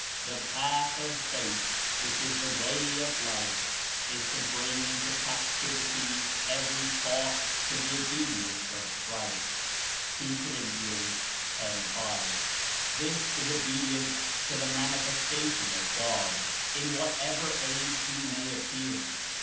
The path of Faith, which Is the way of Life, Is to bring Into captivity every thought to the obedience of Christ. (2. Cor. 10. 5.) This Is obedience to the Manifestation of God, In whatever age he may appear.